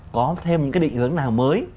có thêm những định hướng nào mới